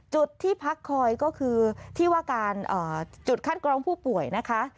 จุดที่พักคอยก็คือจุดคัดกรองผู้ป่วยนะคะ